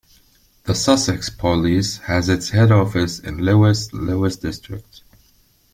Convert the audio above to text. The Sussex Police has its head office in Lewes, Lewes District.